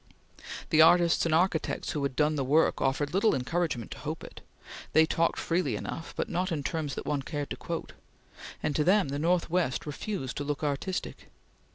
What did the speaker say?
The artists and architects who had done the work offered little encouragement to hope it; they talked freely enough, but not in terms that one cared to quote; and to them the Northwest refused to look artistic.